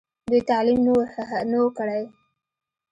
دوي تعليم نۀ وو کړی